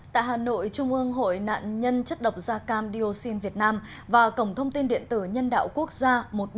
tại hà nội trung ương hội nạn nhân chất độc da cam diocin việt nam và cổng thông tin điện tử nhân đạo quốc gia một nghìn bốn trăm linh